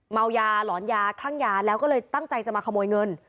เมายาหลอนยาคลั่งยาแล้วก็เลยตั้งใจจะมาขโมยเงิน